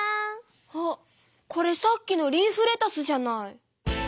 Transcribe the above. あこれさっきのリーフレタスじゃない！